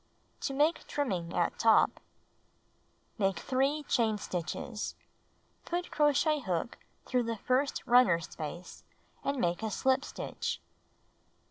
To Make Trimming at Top Make 3 chain stitches. Put crochet hook through the first runner space and make a slip stitch.